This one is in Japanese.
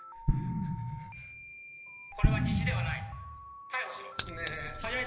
これは自首ではない逮捕しろねえねえガマ